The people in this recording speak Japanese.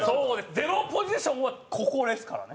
ゼロポジションはここですからね。